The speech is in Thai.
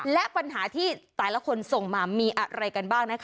และปัญหาที่แต่ละคนส่งมามีอะไรกันบ้างนะคะ